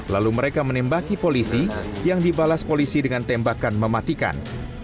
lalu mereka menembaki polisi yang dibalas polisi dengan tembakan mematikan